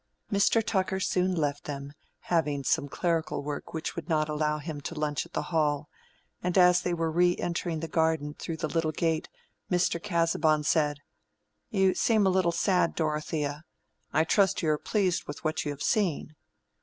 Mr. Tucker soon left them, having some clerical work which would not allow him to lunch at the Hall; and as they were re entering the garden through the little gate, Mr. Casaubon said— "You seem a little sad, Dorothea. I trust you are pleased with what you have seen."